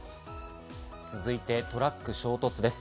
続いて、トラック衝突です。